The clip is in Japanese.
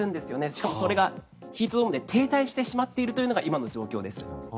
しかもそれがヒートドームで停滞してしまっているのが今の状況です。